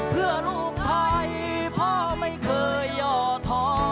เพื่อลูกไทยพ่อไม่เคยย่อท้อ